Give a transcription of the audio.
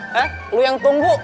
he lo yang tunggu